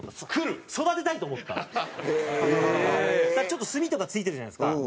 ちょっと炭とか付いてるじゃないですか。